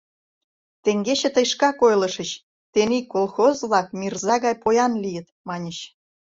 Теҥгече тый шкак ойлышыч: тений колхоз-влак мирза гай поян лийыт, маньыч.